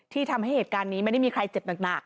ทำให้เหตุการณ์นี้ไม่ได้มีใครเจ็บหนัก